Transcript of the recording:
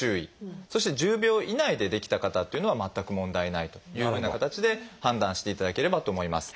そして１０秒以内でできた方というのは全く問題ないというふうな形で判断していただければと思います。